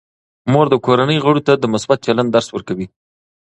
مور د کورنۍ غړو ته د مثبت چلند درس ورکوي.